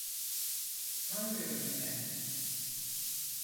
Sanmıyorum efendim.